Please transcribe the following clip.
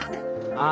ああ。